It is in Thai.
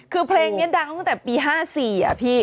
คือเพลงนี้ดังตั้งแต่ปี๕๔อะพี่